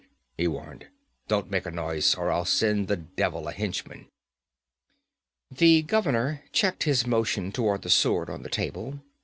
he warned. 'Don't make a noise, or I'll send the devil a henchman!' The governor checked his motion toward the sword on the table.